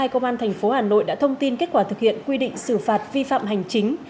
công an tp hà nội đã thông tin kết quả thực hiện quy định xử phạt vi phạm hành chính